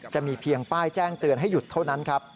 จะมีเพียงป้ายแจ้งเตือนให้หยุดเท่านั้นครับ